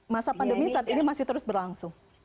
masa pandemi saat ini masih terus berlangsung